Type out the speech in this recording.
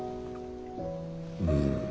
うん。